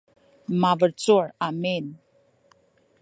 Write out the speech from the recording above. mabecul amin